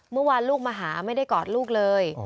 เมื่อวานลูกมาหาไม่ได้กอดลูกเลย